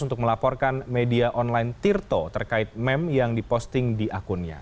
untuk melaporkan media online tirto terkait meme yang diposting di akunnya